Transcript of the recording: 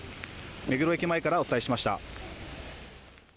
目黒駅前からお伝えしました。